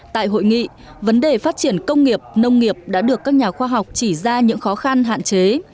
tại hội nghị vấn đề phát triển công nghiệp nông nghiệp đã được các nhà khoa học chỉ ra những khó khăn hạn chế